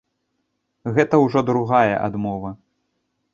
Гэта ўжо другая адмова.